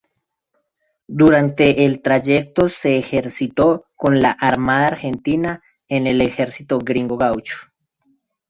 Durante el trayecto, se ejercitó con la Armada Argentina en el ejercicio Gringo-Gaucho.